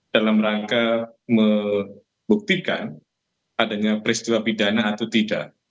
dalam rangka membuktikan adanya peristiwa pidana atau tidak